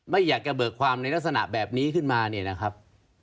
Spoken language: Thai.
ไม่อยากจะเบิกความในลักษณะแบบนี้ขึ้นมาเนี่ยนะครับ